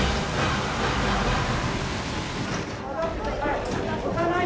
下がってください。